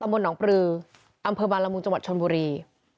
บนปรืออำเภอบละมุงจชลบุรี